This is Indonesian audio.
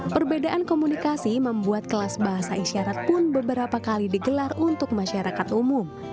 perbedaan komunikasi membuat kelas bahasa isyarat pun beberapa kali digelar untuk masyarakat umum